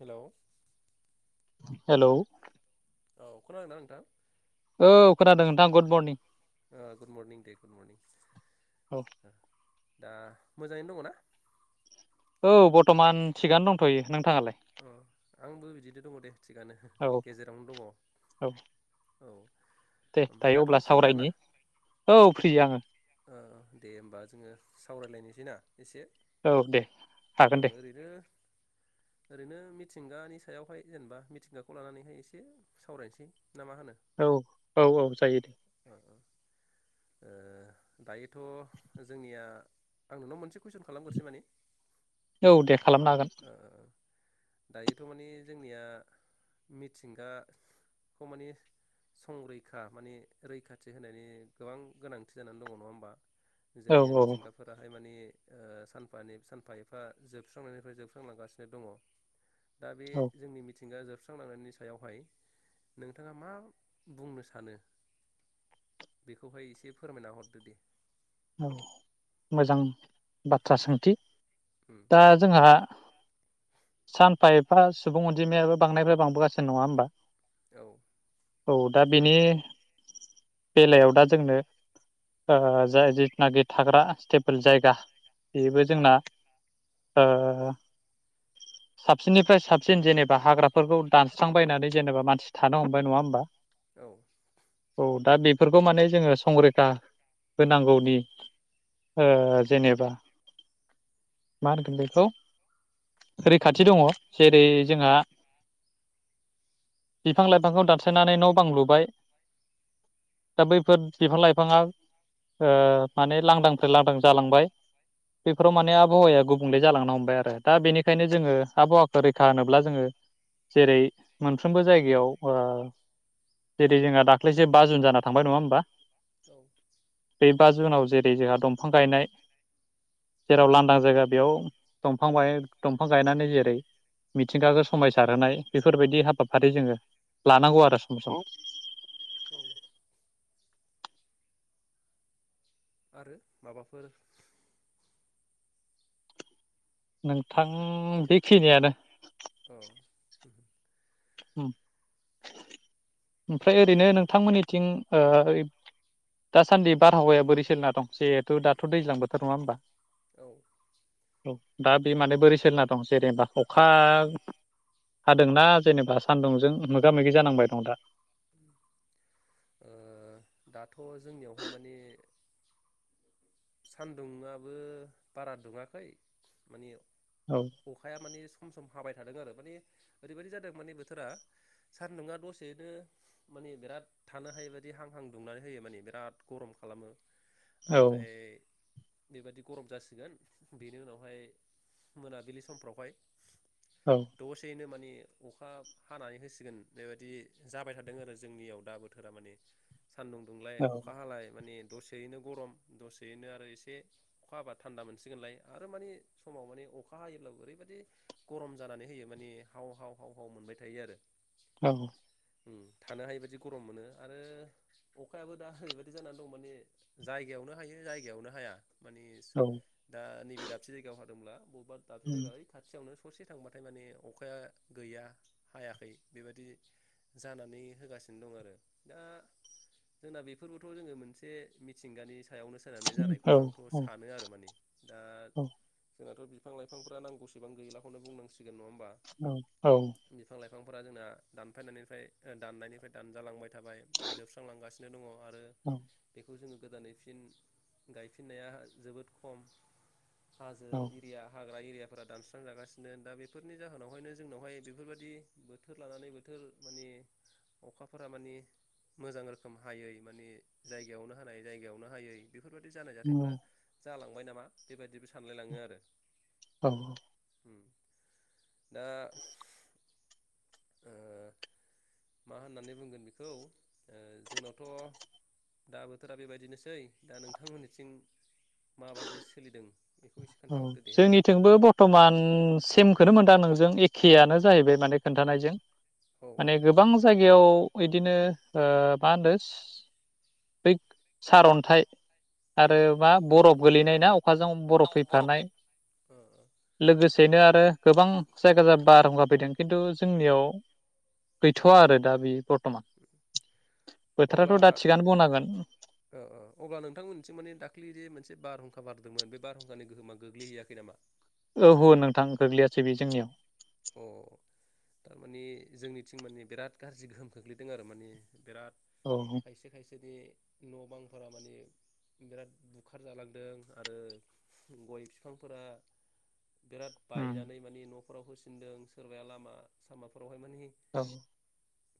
hello hello औ खोनादोंना नोंथां औ खोनादों नोंथां गुद मरनिं ओ गुड मरर्निं दे गुड मरर्निं औ ओ दा मोजाङैनो दङ ना औ बरथमान थिगानो दंथ'यो नोंथाङालाय अ आंबो बिदिनो दङ दे थिगानो औ गेजेरावनो दङ औ औ दे ओमफ्राय दायो दाथ' अब्ला फ्रिखाना सावरायनि औ फ्रि आङो औ दे होमबा जोङो सावरायलायनोसै बिना एसे औ दे हागोन दे ओरैनो ओरैनो मिथिंगानि सायावहाय जेनेबा मिथिंगाखौ लानानैहाय एसे सावरायनोसै ना मा होनो औ औ औ जायो दे ओ दायोथ' जोंनिया आं नोंनाव मोनसे कुइसन खालामग्रोसै माने औ दे खालामनो हागोन [unintelligible] दायोथ' माने जोंनिया मिथिंगाखौ माने संरैखा माने रैखाथि होनायनि गोबां गोनांथि जानानै दङ नङा होमबा औ जोंनिया औ मिथिंगाफोराहाय माने ओ सानफानि सानफा एफा जोबस्रांनायनिफ्राय जोबां लांगासिनो दङ दा बे औ जोंनि मिथि मिथिंगा जोबस्रांलांनायनि सायावहाय नोंथाङा मा बुंनो सानो बेखौहाय एसे फोरमायना हरदो दे औ मोजां बाथ्रा सोंथि उम दा जोंहा सानफा एफा सुबुं अनजिमायाबो बांनायफ्राय बांबोगासिनो नङा होमबा औ औ दा बेनि बेलायाव दा जोंनो ओ जाय नाखि थाग्रा स्टेपोल जायगा बेबो जोंना ओ साबसिननिफ्राय साबसिन जेनेबा हाग्राफोरखौ दानस्रांबायनानै जेनेबा मानसि थानो हमबाय नङा होमबा औ औ दा बेफोरखौ माने जोङो संरैखा होनांगौनि ओ जेनेबा मा होनगोन बेखौ रैखाथि दङ जेरै उम जोंहा बिफां लाइफांखौ दानस्रायनानै न' बां लुबाय दा बैफोर बिफां लाइफाङा ओ माने लांदांनिफ्राय लांदां जालांबाय औ बेफोराव माने आबहावाया गुबुंले जालांनो हमबाय आरो दा बेनिखायनो जोङो आबहावाखौ रैखा होनोब्ला जोङो जेरै मोनफ्रोमबो जायगायाव ओ जेरै जोंहा दाख्लिसो जे बा जुन जाना थांबाय नङा हबा औ बे बा जुनाव जोंहा दंफां गायनाय जेराव लांदां जायगा बेयाव दंफां दंफां गायनानै जेरै मिथिंगाखौ समायसारहोनाय बेफोरबायदि हाबाफारि जोङो लानांगौ आरो सम सम औ आरो माबाफोर नोंथां बेखिनियानो औ ओमफ्राय ओरैनो नोंथांमोननिथिं दासान्दि बारहावाया बोरै सोलिना दं जिहेथु दाथ' दैज्लां बोथोर नङा होमबा औ औ दा बे माने ओ बोरै सलिना दं जेनेबा अ अखा हादोंना जेनेबा सानदुंजों मोगा मोगि जानांबाय दं दा दाथ' जोंनियावहाय माने सानदुंबो बारा दुङाखै माने औ अखाया माने सम सम हाबाय थादों आरो माने ओरैबायदि जादों माने बोथोरा सानदुङा दसेनो माने बिराद थानो हायै बायदि हां हां दुंनानै होयो माने बिराद गरम खालामो औ ओमफ्राय बेबायदि गरम जासिगोन बेनि उनावहाय मोनाबिलि समफ्रावहाय औ दसेनो मानि अखा हानानै होसिगोन बेबायदि जाबाय थादों आरो जोंनियाव दा बोथोरा माने सानदुं दुंलाय औ अखा हालाय माने दसेयैनो गरम दसे बेनो आरो एसे अखा हाबा थान्दा मोनसिगोनलाय आरो माने समाव माने अखा हायोब्लाबो ओरैबायदि गरम जानानै होयो माने हाव हाव हाव हाव मोनबाय थायो आरो औ थानो हायिबायदि गरम मोनो आरो अखायाबो दा ओरैबायदि जानानै दं माने जायगायावनो हायो जायगायावनो हाया मानिे औ दा नैबे दाबसे जायगायावहा ब्ला बबेबा दाबसे जायगाहाय खाथियावनो ससे थांबाथाय माने अखाया गैया हायाखै बेबायाददि जानानै होगासिनो दं आरो दा जोंना बेफोरबोथ' जोङो मोनसे मिथिंगानि सायाव फायनानै औ जानायखौनो आंथ' सानो आरो माने दा जोंनाथ' बिफां लाइांफ्रा नांगौसेबां गैलाखौनो बुंनांसि नङा होमबा बिफां लाइफां बिफांफोरा जोंना दानफायनायनिफ्राय दाननायनिफ्राय दानजालांबाय थाबाय जोबस्रांलांगासिनो दङ आरो औ बेखौ जोङो गोदानै फिन गायफिननाया जोबोद खम हाजो औ इरिया हाग्रा एरियाफोरा दानस्रांजागासिनो दा बेफोरनि जाहोनावहायनो जोंनावहाय बेफोरबायदि बोथोर लानानै बोथोर मानि अखाफोरा मानि मोजां रोखोम हायै मानि जायगायावनो हानाय जायगायावनो हायै बेफोर बायदि जानाय औ जाथायफ्रा जालांबाय नामा बेबायदिबो सानलायलाङो आरो औ दा ओ मा होननानै बुंगोन बेखौ जोंनावथ' दा बोथोरा बेबायदिनोसै दा नोंथांमोननिथिं माबादि सोलिदों बेखौ एसे ओ खोन्थाहरदो दे होमबा जोंनिथिंबो बर्थमान सेम बेखौनो मोनदां नोंजों एखेआनो जाहैबाय माने खोन्थानायजों औ औ माने गोबां जायगायाव बिदिनो ओ मा होनो बै सारअन्थाइ उम आरो मा बरफ गोलैनाय ना अखाजों बरफ फैफानाय ओ ओ लोगोसे बेनो आरो गोबां जायगा ज बारहुंगा फैदों खिन्थु जोंनियाव गैथ'वा आरो दा बे बर्थमान अब्ला बोथोराथ' दा थिगानो बुंनांगोन ओ ओ अब्ला नोंथांमोननिसिम माने दाख्लि जे मोनसे बारहुंखा बारदोंमोन बे बारहुंखानि गोहोमा गोग्लैहैयाखै नामा औ ओह नोंथां गोग्लैयासै बे जोंनियाव अ थारमानि जोंनिथिं माने बिराद गाज्रि गोहोम खोख्लैदों आरो माने बिराद औ खायसे खायसे दे न' बांफोरा माने बिराद बुखार जालांदों आरो गय बिफांफोरा बिराद उम बायनानै मानि न' फोराव होसिन दों सोरबाया लामा सामाफोर औ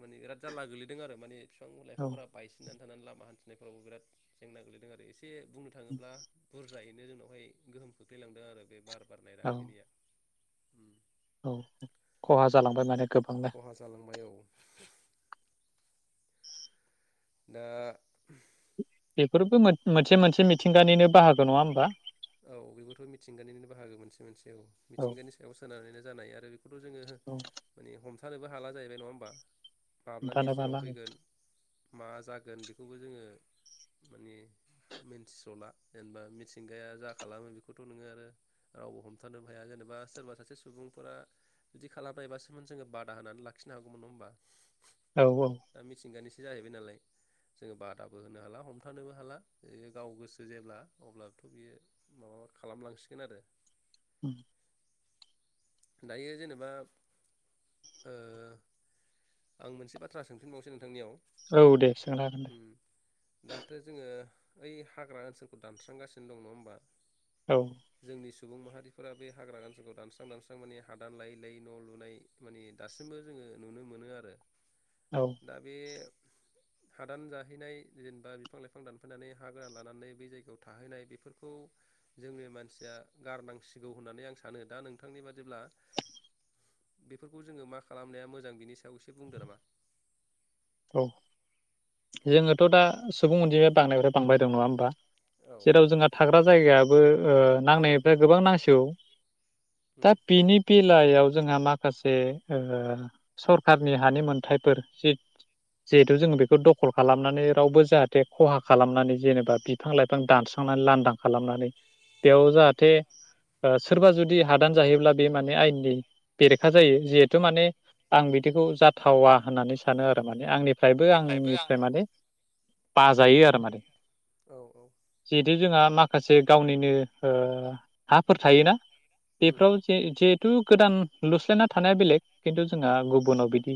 माने बिराद जारला गोलैदों आरो माने बिफां औ लाइफांफोरा बायसिननानै नानै लामा हान्थिनायफ्रावबो बिराद जेंना गोलैदों आरो एसे जे बुंनो थाङोब्ला बुर फ्रायैनो जोंनावहाय गोहोम खोख्लैांदों आरो बे बार औ उम औ खहा जालांबाय माने गोबांनो खहा जालांबाय औ दा बेफोरबो मोनसे मोनसे मिथिंगानिनो बाहागो नङा होमबा औ बेबोथ' मिथिंगानिनो बाहागो मोनसे मोनसे औ मिथिंगानि सायाव सोनारनानैनो जानाय आरो बे जोङो औ माने हम थानोबो हाला जाहैबाय नङा होमबा माब्लानि हमथानो दिनाव हाला फैगोन मा जागोन बेखौबो जोङो माने मिथिस'ला जेनेबा मिथिंगाया जागोन खालामो बेखौथ' नोङो आरो रावबो हमथानोबो हाया जेनेबा सोरबा सासे सुबुंफोरा जुदि खालामबायबासोमोन जोङो बादा होनानै लाखिनो हागौमोन नङा होमबा औ औ दा मिथिंगानि ए जाहैबाय नालाय जोङो बादाबो होनो हाला हमथानोबो हाला ओ गाव गोसो जेब्ला अब्लाथ' बियो माबा खालामलांसिगोन आरो उम दायो जेनेबा ओ आं मोनसे बाथ्रा सोंफिनबावनोसै नोंथांनियाव औ दे सोंनो हागोन दे दाथो जोङो ओइ हाग्रा ओनसोलखौ दानस्रांगासिनो दं नङा होमबा औ जोंनि सुबुं माहारिफोरा बे हाग्रा ओनसोखौ दानस्रां दानस्रां एबां माने हादान लायै लायै न' लुनाय मानि दासिमबो जोङो नुनो मोनो आरो औ दा बे हादान जाहैनाय जेनेबा बिफां लाइफां दानफैनानै हा गोरान लानानै बै जायगायाव थाहैनाय बेफोरखौ जोंनि मानसिया गारनांसिगौ होननानै आं सानो दा नोंथांनि बादि जेब्ला बेफोरखौ जोङो मा खालामनाया मोजां बिनि सायाव एसे बुंदो नामा औ जोङोथ' दा सुबुं अनजिमाया बांनायफ्राय बांबायदोंं नङा होमबा औ जेराव जोंहा थाग्रा जायगाया बो ओ नांनायनिफ्राय गोबां नांसिगौ दा बिनि बेलायाव जोंहा माखासे ओ सरखारनि हानि मोनथायाइफोर जि जिहेथु जोङो बेखौ दखल खालामनानै रावबो जाहाथे खहा खालामनानै जेनेबा बिफां लाइफां दानस्रांनानै लांदां खालामनानै बेयाव जाहाथे ओ सोरबा जुदि हादान जाहैब्ला बे माने आयेननि बेरेखा जायो जिहेथु माने आं बिदिखौ जाथावा होननानै सानो आरो थारमे आंनि फ्रायबो आंनिफ्राय माने बाजायो आरो माने औ औ जिहेथु जोंहा माख माखासे गावनिनो ओ हाफोर थायोना उम बेफ्राव जे जिहेतु गोदान लुस्लायना थानाया बेलेग खिन्थु जोंहा गुबुनाव बिदि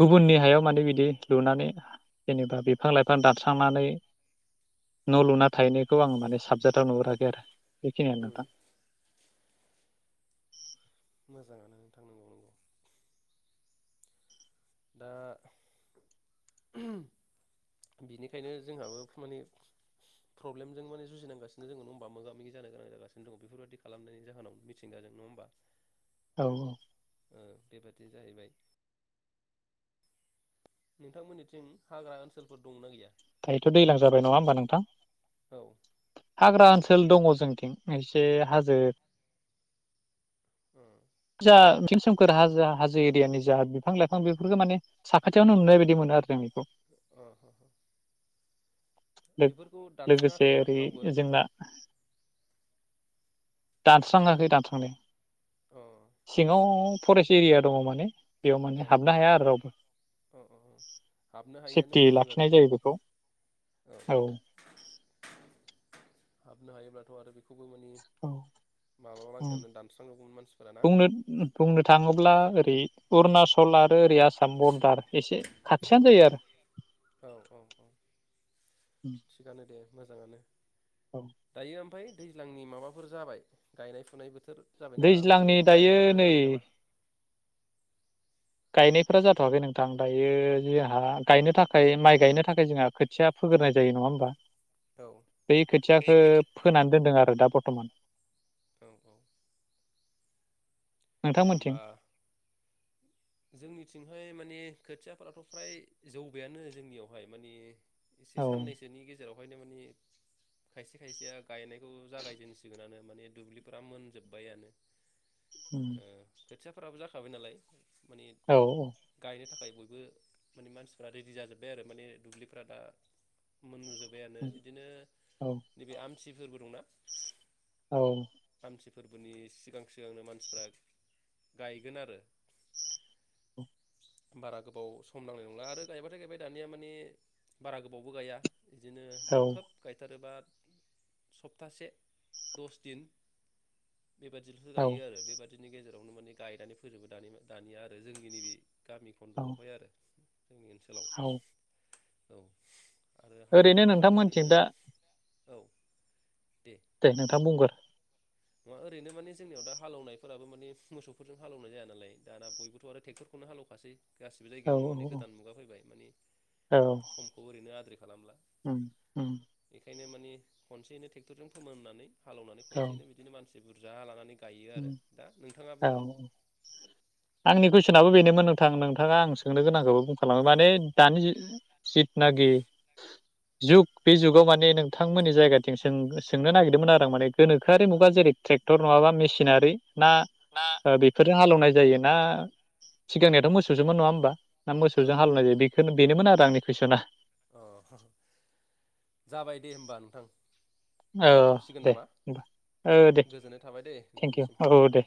गुबुननि हायाव माने बिदि लुनानै जेनेबा बिफां लाइ फां दानस्रांनानै न' लुना थाहैनायखौ आङो माने साबजाथाव नुहराखै गेर बेखिनियानो उम नोंथां मोजाङानो [unintelligible] दा बिनिखायनो जोंहाबो माने प्रब्लेमजों माने जुजिनांगासिनो जोङो नङ होमबा मोगा मोगि जानो गोनां जागासिनो दङ बेफोरबायदि खालामनायनि जाहोनाव मिथिंगाजों नङा हबा औ औ बेेबाय बि जाहैबाय नोंथांमोननिथिं हाग्रा ओनसोलफोर दंना गैया दायोथ' दैज्लां जाबाय नङा होमबा नोंथां औ ओ हाग्रा ओनसोल ल दङ जोंथिं एसे हाजो [unintelligible] सोमखोर हाजो हाजो एरियानि जा बिफां लाइफां बेफोरखौ माने साखाथियावनो नुनाय बायदि मोनो आरो जों अ बेफोरखौ लोगोसे दानस्राङाखैना ओरै रावबो अ जोंना दानस्राङाखै दानस्रांनाया सिङाव फरेस्ट एरिया दङ माने बेयाव औ माने हाबनो हाया आरो रावबो अ अ हाबनो हायिआनो सेफटि मोजां जादों लाखिनाय जायोबाय औ हाबनो हायोब्लाथ' आरो बेखौबो मानि माब्लाबा नो लांखायावनो दानस्रांजोबगौमोन मानसिफोरा ना बुंनो थाङोब्ला ओरै अरुणचल थलार आरो ओरै आसाम बरदार एसे खाथियानो जायो आरो औ औ औ थिगानो दे मोजाङानो औ दायो ओमफाय दैज्लांनि माबाफोर जाबाय गायनाय फुनाय बोथोर जाबायना ओमफ्राय दैज्लांनि दायो गायनायफोरा नै जाबाय नामा गायनायफोरा जाथ'वाखै नोंथां दायो जोंहा गायनो थाखाय माइ गायनो थाखाय जोंहा खोथिया फोग्रोनाय जायो नङा होमबा औ बै खोथियाखौ फोनानै दोनदों आरो दा बर बरथमान ओ औ होमबा नोंथांमोनथिं जोंनिथिंहाय माने खोथियाफोराथ' फ्राय जौबायानो जोंनियावहाय माने औ एसे साननैसोनि गेजेराव बेहायनो माने खायसे खायसेया गायनायखौ जागायजेनसिगोन आरो माने दुब्लिफोरा मोनजोब्बायानो उ खोथियाफ्राबो जाखाबाय नालाय माने औ गायनो थाखाय थाखाय बयबो माने मानसिफ्रा रेडि जाजोब्बाय आरो माने दुब्लिफ्रा दा मोन नुजोबबाय बिदिनो औ दिनि आमथि फोरबो दंना औ मानसि फोरबोनि सिगां सिगांनो मानसिफ्रा गायगोन आरो बारा गोबाव सम नांनाय नंला आरो गायबाथाय गायबाय दानिया माने बारा गोबावबो गाया बिदिनो औ खोब गायथारोबा सप्तासेसे दस दिन बेबायदिल'सो औ गायो आरो बेबायदि गेजेरावनो माने गायनानै फोजोबो द दानिया आरो जोंनि नैबे गामि औ खन्द'आवहाय आरो जोंनि ओनसोलाव औ औ आरो ओरैनो हालेवनायफोराथ' जोङो नोंथांमोनथिं दा औ दे नोंथां बुंगोर ना ओरैनो माने जोंनियाव दा हालौनायफोराबो माने मोसौफोरजों हालेवनाय जाया नालाय दाना बयबोथ' आरो ट्रेक्टरखौनो हालौखासै गासिबो औ जायगायावनो माने औ गोदान मुगा फैबाय माने औ समखौ ओरैनो आद्रि खालामला उम उम बेख ओंखायनो माने खनसेै ट्रेक्टरजों फोमोन होनानै हालौनानै औ खनसेनो बिदि मानसि बुरजा लानानै नोंथाङा औ बुंदो आंनिखौस जोंनाबो बेनोमोन नोंथां नोंथाङा आं सोंनो गोनांखौबो बुं खालांबाय माने दानि जुग जिद नागे जुग बे जुगाव माने नोंथांमोननि जायगाथिं सों सोंनो नागिरदोंमोन आरो आं माने गोनोखोआि मुगा जेरै ट्रेक्ट नङाबा मेचिन सिनारि ना बेफोरजों हालेवनाय जायो ना सिगांनियाथ' मोसौसोमोन नङा होमबा ना औ मोसौजों हालौनाय बेखौनो बेनोमोन आरो आंनि कुइस'ना अ जाबाय दे होमबा नोंथां औ जाथ'सिगोन दे नामा होनोमबा औ दे गोजोननाय थाबाय दे थेंकिउ नोंथांनिसिम औ दे